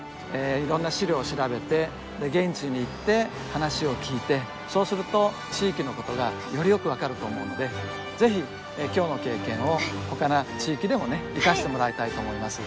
いろんな資料を調べて現地に行って話を聞いてそうすると地域のことがよりよく分かると思うのでぜひ今日の経験をほかの地域でも生かしてもらいたいと思います。